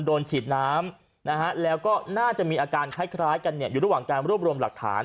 โดนฉีดน้ำแล้วก็น่าจะมีอาการคล้ายกันอยู่ระหว่างการรวบรวมหลักฐาน